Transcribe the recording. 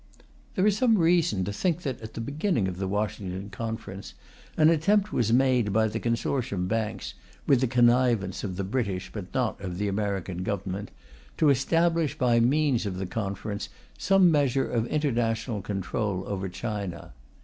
There is some reason to think that, at the beginning of the Washington Conference, an attempt was made by the consortium banks, with the connivance of the British but not of the American Government, to establish, by means of the Conference, some measure of international control over China.